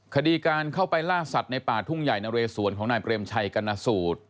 คดีการเข้าไปล่าสัตว์ในป่าทุ่งใหญ่นะเรสวนของนายเปรมชัยกรณสูตร